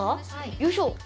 よいしょ。